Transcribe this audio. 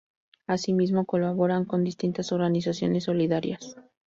Asimismo, colaboran con distintas organizaciones solidarias.